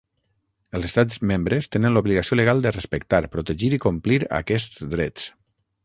Els Estats membres tenen l'obligació legal de respectar, protegir i complir aquests drets.